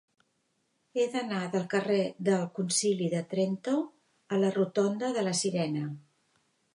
He d'anar del carrer del Concili de Trento a la rotonda de la Sirena.